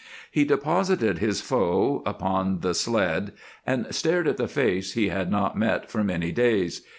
He deposited his foe upon the sled and stared at the face he had not met for many days.